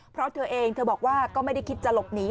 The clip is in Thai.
เพราะเธอเองเธอบอกว่าก็ไม่ได้คิดจะหลบหนี